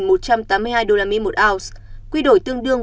usd một ounce quy đổi tương đương